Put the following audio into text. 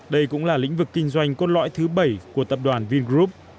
đây cũng là lĩnh vực kinh doanh cốt lõi thứ bảy của tập đoàn vingroup